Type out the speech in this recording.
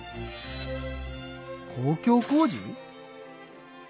公共工事？